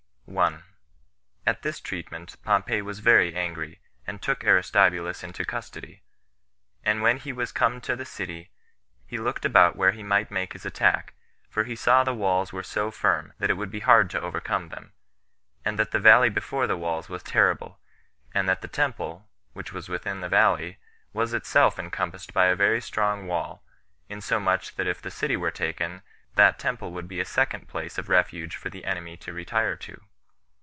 1. At this treatment Pompey was very angry, and took Aristobulus into custody. And when he was come to the city, he looked about where he might make his attack; for he saw the walls were so firm, that it would be hard to overcome them; and that the valley before the walls was terrible; and that the temple, which was within that valley, was itself encompassed with a very strong wall, insomuch that if the city were taken, that temple would be a second place of refuge for the enemy to retire to.